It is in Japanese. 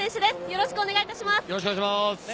よろしくお願いします。